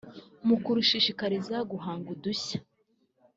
mu kurushishikariza guhanga udushya